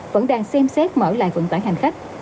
vẫn đang xem xét mở lại vận tải hành khách